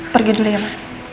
pergi dulu ya ma